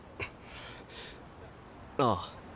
ああ。